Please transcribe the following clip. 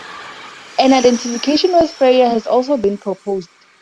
An identification with Freyr has also been proposed.